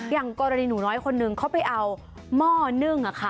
อย่างกรณีหนูน้อยคนนึงเขาไปเอาหม้อนึ่ง